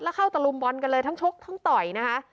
แล้วเข้าตะลุมบอลกันเลยทั้งชกทั้งต่อยนะคะ